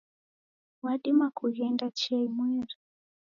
Wadima kughenda chia imweri